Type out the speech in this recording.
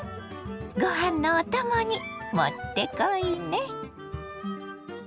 ごはんのお供にもってこいね！